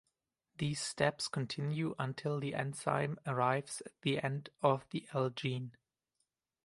These steps continue until the enzyme arrives the end of the L gene.